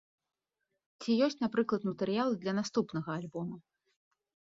Ці ёсць, напрыклад, матэрыялы для наступнага альбома?